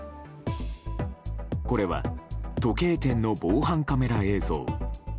これは時計店の防犯カメラ映像。